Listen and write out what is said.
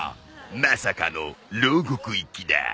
まさかの牢獄行きだ。